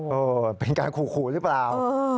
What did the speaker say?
เออเป็นการขู่หรือเปล่า